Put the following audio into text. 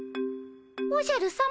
おじゃるさま。